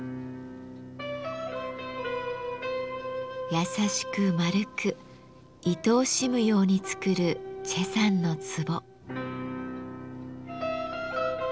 やさしく丸くいとおしむように作る崔さんの壺。